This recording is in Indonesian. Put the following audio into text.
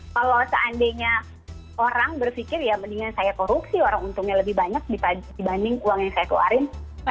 kalau seandainya orang berpikir ya mendingan saya korupsi orang untungnya lebih banyak dibanding uang yang saya keluarin